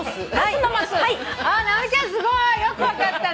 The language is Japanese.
直美ちゃんすごい！よく分かったね。